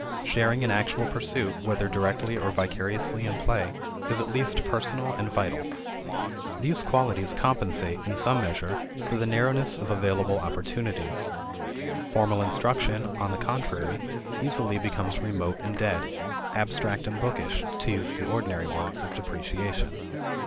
Sharing in actual pursuit, whether directly or vicariously in play, is at least personal and vital. These qualities compensate, in some measure, for the narrowness of available opportunities. Formal instruction, on the contrary, easily becomes remote and dead abstract and bookish, to use the ordinary words of depreciation.